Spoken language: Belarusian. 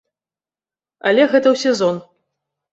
Але гэта ў сезон.